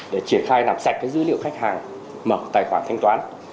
để triển khai làm sạch dữ liệu khách hàng mở tài khoản thanh toán